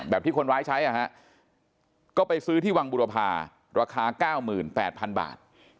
ที่คนร้ายใช้ก็ไปซื้อที่วังบุรพาราคา๙๘๐๐๐บาท